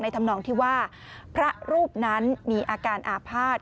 ทำนองที่ว่าพระรูปนั้นมีอาการอาภาษณ์